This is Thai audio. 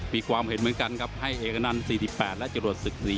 มีความเห็นเหมือนกันครับให้เอกอนันต์๔๘และจรวดศึกศรี